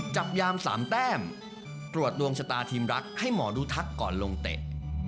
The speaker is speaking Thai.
จับยาม๓แต้มตรวจดวงชะตาทีมรักให้หมอดูทักก่อนลงเตะ